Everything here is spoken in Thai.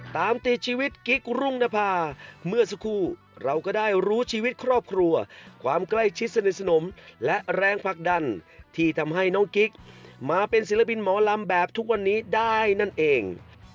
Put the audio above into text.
ตามติดชีวิตกิ๊กรุ่งนภาเมื่อสักครู่เราก็ได้รู้ชีวิตครอบครัวความใกล้ชิดสนิทสนมและแรงผลักดันที่ทำให้น้องกิ๊กมาเป็นศิลปินหมอลำแบบทุกวันนี้ได้นั่นเอง